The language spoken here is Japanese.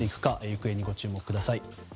行方にご注目ください。